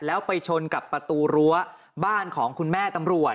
แล้วไปชนกับประตูรั้วบ้านของคุณแม่ตำรวจ